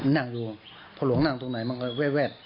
นั่งดูพ่อหลวงนั่งตรงไหนมันก็แวด